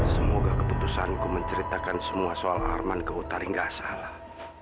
semoga keputusanku menceritakan semua soal arman ke utari gak salah